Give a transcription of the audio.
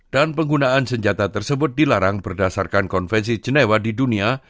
dan penggunaan senjata tersebut dilarang berdasarkan konvensi jenewa di dunia